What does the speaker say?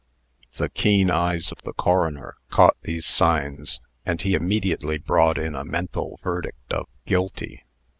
The keen eyes of the coroner caught these signs, and he immediately brought in a mental verdict of "guilty."